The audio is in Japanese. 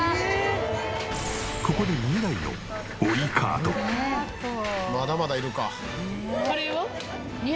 ここでまだまだいるか。